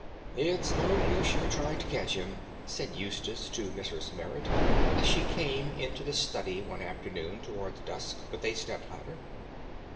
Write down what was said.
"It's no use your trying to catch him," said Eustace to Mrs. Merrit, as she came into the study one afternoon towards dusk with a step ladder.